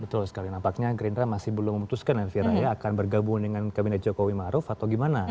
betul sekali nampaknya gerindra masih belum memutuskan elvira ya akan bergabung dengan kabinet jokowi maruf atau gimana